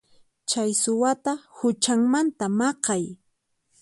Chay suwata huchanmanta maqay.